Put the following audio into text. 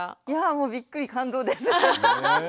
いやもうびっくり感動です。